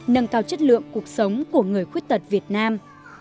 nâng cao chất lượng cuộc sống của người khuyết tật việt nam